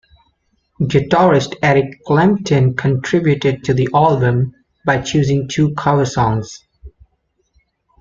Guitarist Eric Clapton contributed to the album by choosing two cover songs.